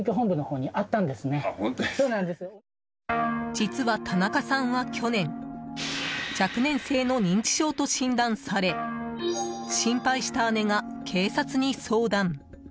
実は田中さんは去年、若年性の認知症と診断され心配した姉が警察に相談。